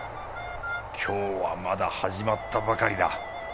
今日はまだ始まったばかりだ。